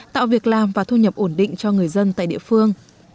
tạo việc làm và thu nhập ổn định cho người dân tại địa phương